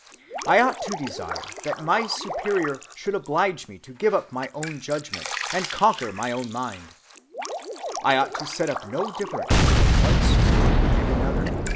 I ought to desire that my Superior should oblige me to give up my own judgment, and conquer my own mind. I ought to set up no difference between one Superior and another